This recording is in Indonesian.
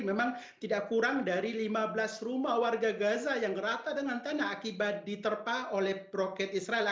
memang tidak kurang dari lima belas rumah warga gaza yang rata dengan tanah akibat diterpa oleh broket israel